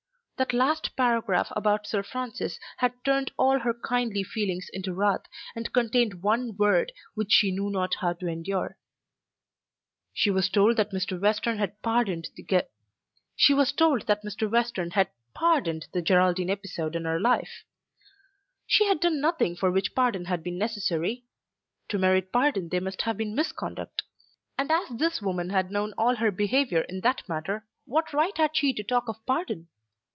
That last paragraph about Sir Francis had turned all her kindly feelings into wrath, and contained one word which she knew not how to endure. She was told that Mr. Western had "pardoned" the Geraldine episode in her life. She had done nothing for which pardon had been necessary. To merit pardon there must have been misconduct; and as this woman had known all her behaviour in that matter, what right had she to talk of pardon?